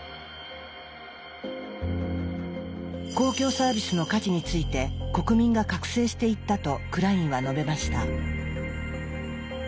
公共サービスの価値について国民が覚醒していったとクラインは述べました。